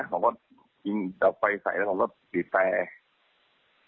สักทีเอาไฟใส้แล้วผมก็เปลี่ยนแสง